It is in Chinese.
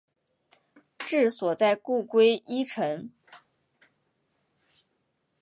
治所在故归依城。